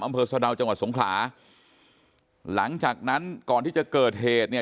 อำเภอสะดาวจังหวัดสงขลาหลังจากนั้นก่อนที่จะเกิดเหตุเนี่ย